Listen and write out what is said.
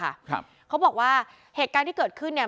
ครับเขาบอกว่าเหตุการณ์ที่เกิดขึ้นเนี้ย